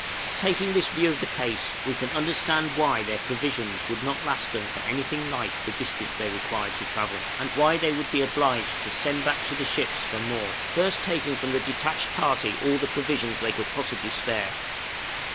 Taking this view of the case, we can understand why their provisions would not last them for anything like the distance they required to travel; and why they would be obliged to send back to the ships for more, first taking from the detached party all provisions they could possibly spare.